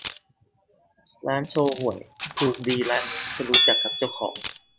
ร้านโชห่วยถูกดีร้านนี้ฉันรู้จักกับเจ้าของ